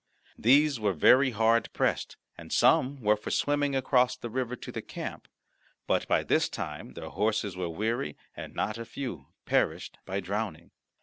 These were very hard pressed, and some were for swimming across the river to the camp, but by this time their horses were weary, and not a few perished by drowning.